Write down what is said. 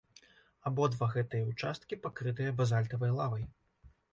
Абодва гэтыя ўчасткі пакрытыя базальтавай лавай.